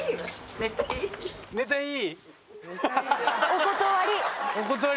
お断り？